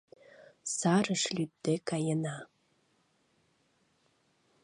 Сарыш лӱдде каена